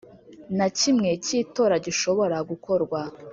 Na kimwe cy’itora gishobora gukorwa.